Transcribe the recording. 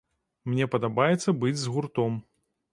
Мне падабаецца быць з гуртом.